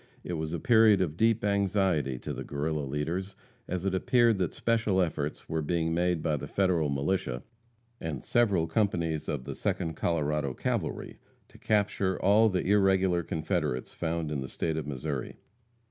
It was a period of deep anxiety to the Guerrilla leaders, as it appeared that special efforts were being made by the Federal militia, and several companies of the Second Colorado Cavalry, to capture all the irregular Confederates found in the State of Missouri.